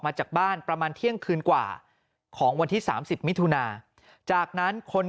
มาจากบ้านประมาณเที่ยงคืนกว่าของวันที่๓๐มิถุนาจากนั้นคน